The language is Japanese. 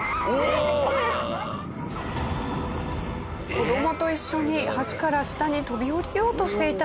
子供と一緒に橋から下に飛び降りようとしていたんです。